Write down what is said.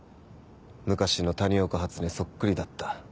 昔の谷岡初音そっくりだった。